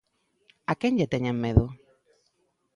¿A quen lle teñen medo?